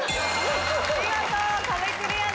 見事壁クリアです。